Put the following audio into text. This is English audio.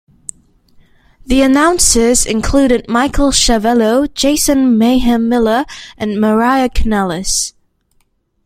The announcers included Michael Schiavello, Jason "Mayhem" Miller and Maria Kanellis.